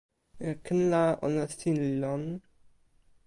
ken la, ona sin li lon.